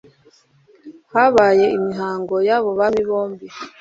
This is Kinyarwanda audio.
habaye imihigo y’abo bami bombi